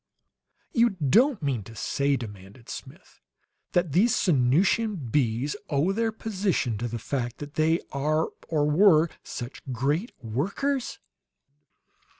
"You don't mean to say," demanded Smith, "that these Sanusian bees owe their position to the fact that they are, or were, such great workers?"